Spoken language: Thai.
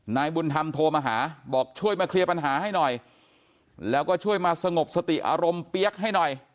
นายบุญธรรมโทรมาหาบอกช่วยมาเคลียร์ปัญหาให้หน่อยแล้วก็ช่วยมาสงบสติอารมณ์เปี๊ยกให้หน่อย